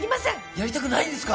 やりたくないんですか？